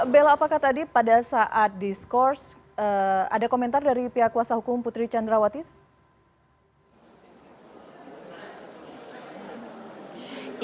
bella apakah tadi pada saat diskors ada komentar dari pihak kuasa hukum putri candrawati